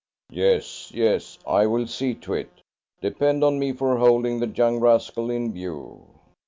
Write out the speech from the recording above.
"Yes, yes; I will see to it. Depend on me for holding the young rascal in view."